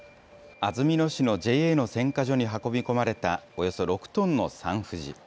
安曇野市のＪＡの選果所に運び込まれたおよそ６トンのサンふじ。